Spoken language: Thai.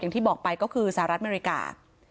อย่างที่บอกไปก็คือสหรัฐอเมริกา